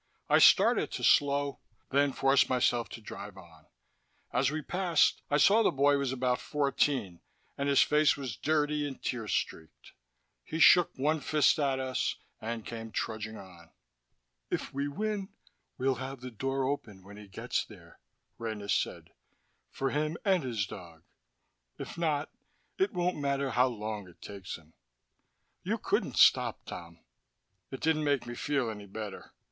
I started to slow, then forced myself to drive on. As we passed, I saw that the boy was about fourteen, and his face was dirty and tear streaked. He shook one fist at us, and came trudging on. "If we win, we'll have the door open when he gets there," Rena said. "For him and his dog! If not, it won't matter how long it takes him. You couldn't stop, Tom." It didn't make me feel any better.